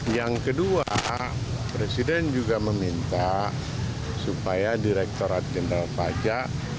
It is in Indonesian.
yang kedua presiden juga meminta supaya direkturat jenderal pajak